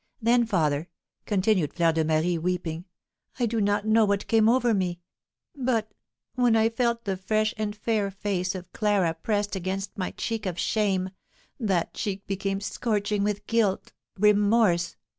Then, father," continued Fleur de Marie, weeping, "I do not know what came over me; but, when I felt the fresh and fair face of Clara pressed against my cheek of shame, that cheek became scorching with guilt remorse.